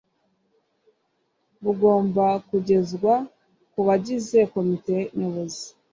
Bugomba kugezwa ku bagize komite nyobozi